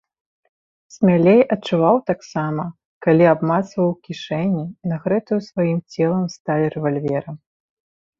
Смялей адчуваў таксама, калі абмацваў у кішэні, нагрэтую сваім целам, сталь рэвальвера.